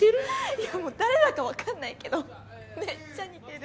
いやもう誰だかわかんないけどめっちゃ似てる。